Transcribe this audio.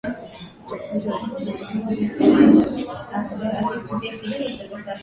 uchafuzi wa hewa ambao wanaonaUchafuzi